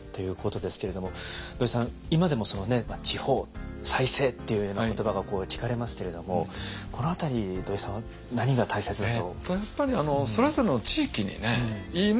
今でも地方再生っていうような言葉が聞かれますけれどもこの辺り土井さんは何が大切だと？